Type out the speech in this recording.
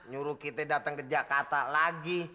nyuruh kita datang ke jakarta lagi